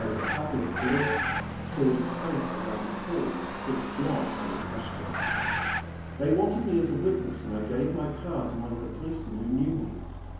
333 a couple of policemen cleared a space around the pool of thick blood on the asphalt. They wanted me as a witness, and I gave my card to one of the policemen who knew me.